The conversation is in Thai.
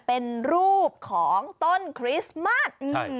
เป็นรูปของต้นคริสต์มัส